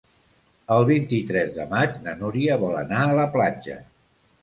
El vint-i-tres de maig na Núria vol anar a la platja.